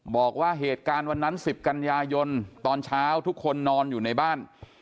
บอกว่าเหตุการณ์วันนั้น๑๐กันยายนตอนเช้าทุกคนนอนอยู่ในบ้าน